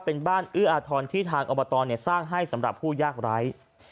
เป็นบ้านเอื้ออาทรที่ทางอบตสร้างให้สำหรับผู้ยากไร้